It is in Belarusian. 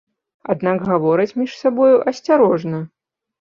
Аднак гавораць між сабою асцярожна.